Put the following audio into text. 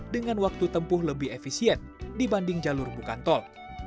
dengan waktu tempuh lebih efisien dibanding jalur bukan tol